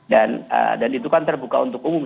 dan itu kan terbuka untuk umum